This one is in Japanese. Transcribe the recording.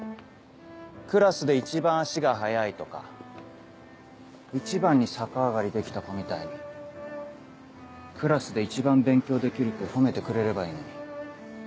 クラスで一番足が速いとか１番に逆上がりできた子みたいにクラスで一番勉強できる子を褒めてくれればいいのに。